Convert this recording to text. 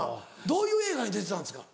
どういう映画に出てたんですか？